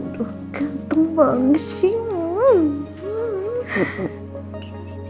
aduh ganteng banget sih mas